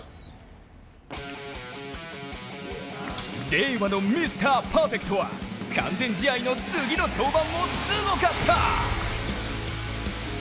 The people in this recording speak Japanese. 令和のミスターパーフェクトは完全試合の次の登板もすごかった！